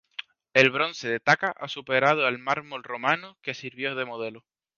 El bronce de Tacca ha superado al mármol romano que sirvió de modelo.